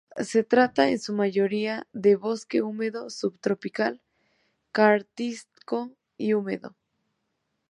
Se trata en su mayoría de bosque húmedo subtropical kárstico y húmedo.